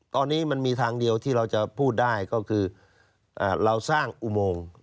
ตอนนี้มันมีทางเดียวที่เราจะพูดได้ก็คือเราสร้างอุโมง